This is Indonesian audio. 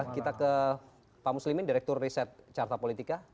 kita ke pak muslimin direktur riset carta politika